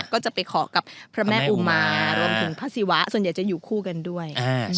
ก็จะไปขอกับพระแม่อุมารวมถึงพระศิวะส่วนใหญ่จะอยู่คู่กันด้วย